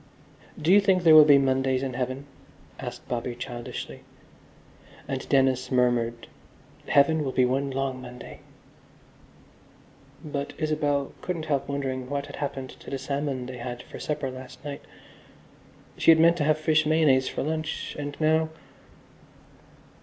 "Do you think there will be Mondays in Heaven?" asked Bobby childishly. And Dennis murmured, "Heaven will be one long Monday." But Isabel couldn't help wondering what had happened to the salmon they had for supper last night. She had meant to have fish mayonnaise for lunch and now....